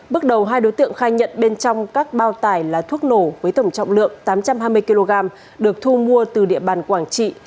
bước đầu hai đối tượng khai nhận bên trong các bao tải là thuốc nổ với tổng trọng lượng tám trăm hai mươi kg được thu mua từ địa bàn quảng trị